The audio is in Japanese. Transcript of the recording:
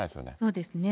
そうですね。